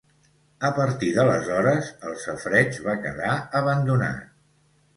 A partir d'aleshores el safareig va quedar abandonat.